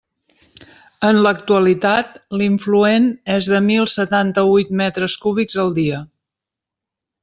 En l'actualitat, l'influent és de mil setanta-huit metres cúbics al dia.